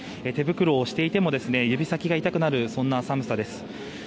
手袋をしていても指先が痛くなるそんな寒さです。